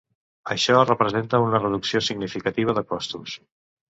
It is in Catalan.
Això representa una reducció significativa de costos.